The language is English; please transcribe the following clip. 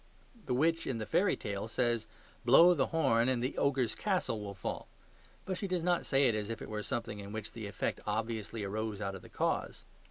The witch in the fairy tale says, "Blow the horn, and the ogre's castle will fall"; but she does not say it as if it were something in which the effect obviously arose out of the cause.